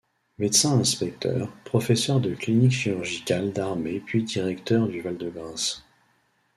Médecin-inspecteur, professeur de clinique chirurgicale d'armée puis directeur du Val de Grâce.